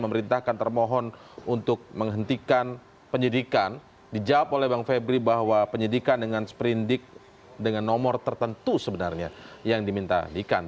memerintahkan termohon untuk menghentikan penyidikan dijawab oleh bang febri bahwa penyidikan dengan sprindik dengan nomor tertentu sebenarnya yang diminta ikan